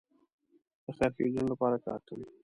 د خیر ښېګڼې لپاره کار کوي.